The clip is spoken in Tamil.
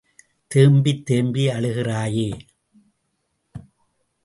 தேம்பித் தேம்பி அழுகிறாயே.